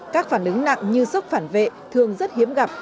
các phản ứng nặng như sốc phản vệ thường rất hiếm gặp